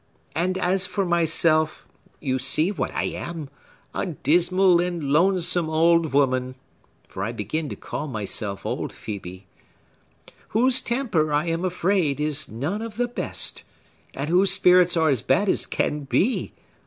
And as for myself, you see what I am,—a dismal and lonesome old woman (for I begin to call myself old, Phœbe), whose temper, I am afraid, is none of the best, and whose spirits are as bad as can be!